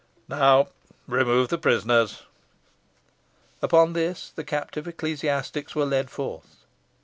Now remove the prisoners." Upon this the captive ecclesiastics were led forth.